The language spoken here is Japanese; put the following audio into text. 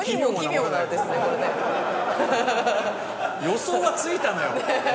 予想はついたのよ。